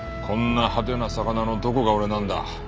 こんな派手な魚のどこが俺なんだ。